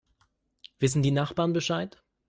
Wissen die Nachbarn Bescheid?